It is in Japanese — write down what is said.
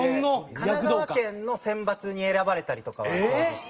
神奈川県の選抜に選ばれたりとかは当時してて。